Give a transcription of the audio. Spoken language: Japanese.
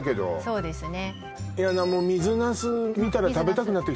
そうですね